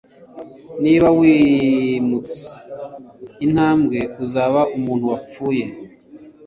Niba wimutse intambwe, uzaba umuntu wapfuye.